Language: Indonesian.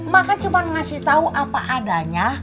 ma kan cuma ngasih tahu apa adanya